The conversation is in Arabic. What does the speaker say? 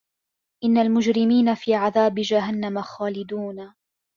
إِنَّ المُجرِمينَ في عَذابِ جَهَنَّمَ خالِدونَ